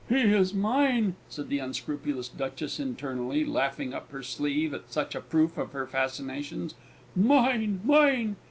"He is mine!" said the unscrupulous Duchess internally, laughing up her sleeve at such a proof of her fascinations, "mine! mine!"